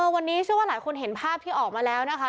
วันนี้เชื่อว่าหลายคนเห็นภาพที่ออกมาแล้วนะคะ